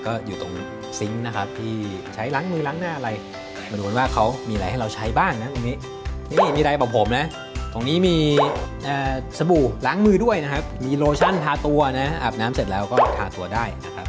ก็อยู่ตรงซิงค์นะครับที่ใช้ล้างมือล้างหน้าอะไร